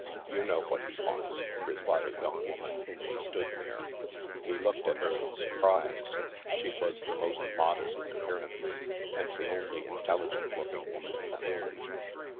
" You know what he wants," replied a young woman whom we stood near. We looked at her in surprise ; she was the most modest in appear ance, and the only intelligent looking woman in the room.